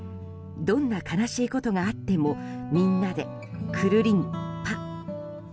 どんな悲しいことがあってもみんなでクルリンパ。